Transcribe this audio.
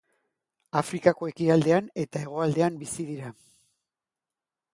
Afrikako ekialdean eta hegoaldean bizi dira.